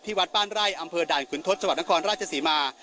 ที่วัดป้านไร่อำเภอด่านคุณทศจวัตนครราชสีมา